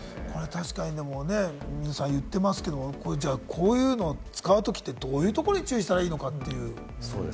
皆さん言ってますけれども、こういうのを使うときって、どういうところに注意したらいいのか？